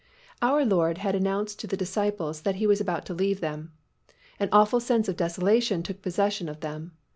Our Lord had announced to the disciples that He was about to leave them. An awful sense of desolation took possession of them.